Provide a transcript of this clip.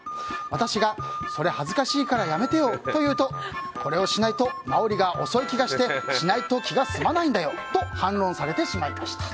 私がそれ恥ずかしいからやめてよと言うと、これをしないと治りが遅い気がしてしないと気が済まないんだよと反論されてしまいました。